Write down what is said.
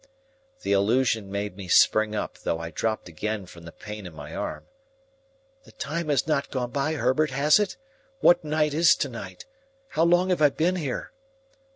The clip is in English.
The allusion made me spring up; though I dropped again from the pain in my arm. "The time has not gone by, Herbert, has it? What night is to night? How long have I been here?"